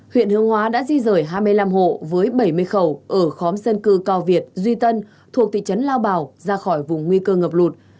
huyện hương hóa đã di rời hai mươi năm hộ với bảy mươi khẩu ở khóm dân cư cao việt duy tân thuộc thị trấn lao bảo ra khỏi vùng nguy cơ ngập lụt